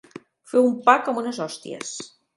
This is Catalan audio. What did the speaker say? Fer un pa com unes hòsties.